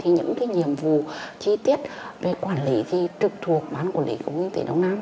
những nhiệm vụ chi tiết về quản lý trực thuộc ban quản lý khu kinh tế đông nam